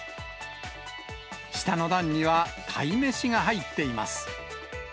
下の段にはタイ飯が入っています。